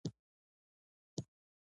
ادبي غونډې د نوي فکر د زیږون ځای دی.